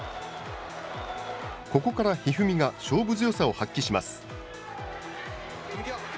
ここから一二三が勝負強さを発揮します。